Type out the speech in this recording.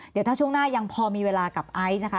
เดี๋ยวถ้าช่วงหน้ายังพอมีเวลากับไอซ์นะคะ